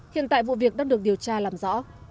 hiện tại vụ việc đang được điều trị